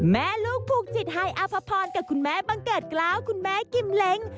แม่ลูกผูกจิตไฮอาภพรกับคุณแม่บังเกิดกล้าวคุณแม่กิมเล้ง